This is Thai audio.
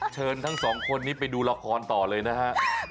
เชิญทั้ง๒คนนี้ไปดูลักษณ์ต่อเลยนะครับ